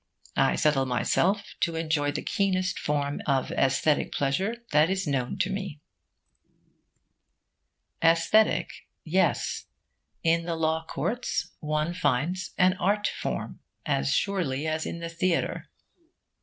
I settle myself to enjoy the keenest form of aesthetic pleasure that is known to me. Aesthetic, yes. In the law courts one finds an art form, as surely as in the theatre.